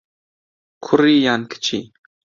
کوڕی یان کچی؟